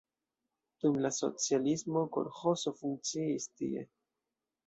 Dum la socialismo kolĥozo funkciis tie.